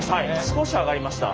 少し上がりました。